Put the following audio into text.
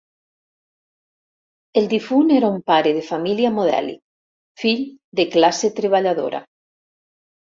El difunt era un pare de família modèlic, fill de classe treballadora.